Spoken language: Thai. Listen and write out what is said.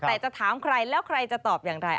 แต่จะถามใครแล้วใครจะตอบอย่างไร